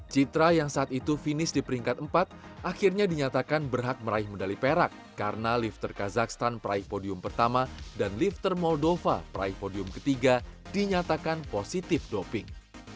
citra yang saat itu finish di peringkat empat akhirnya dinyatakan berhak meraih medali perak karena lifter kazakhstan peraih podium pertama dan lifter moldova peraih podium ketiga dinyatakan positif doping